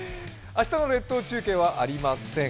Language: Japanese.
明日の列島中継はありません。